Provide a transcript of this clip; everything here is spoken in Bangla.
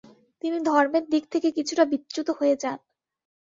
তিনি ধর্মের দিক থেকে কিছুটা বিচ্যুত হয়ে যান।